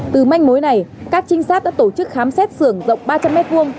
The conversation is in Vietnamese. từ manh mối này các trinh sát đã tổ chức khám xét sưởng rộng ba trăm linh m hai